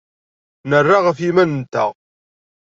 Nerra ɣef yiman-nteɣ.